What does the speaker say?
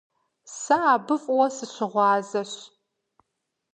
Сэ абы фӀыуэ сыщыгъуазэщ!